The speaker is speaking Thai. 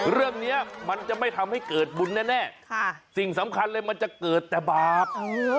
เรื่องนี้มันจะไม่ทำให้เกิดบุญแน่สิ่งสำคัญเลยมันจะเกิดแต่บาป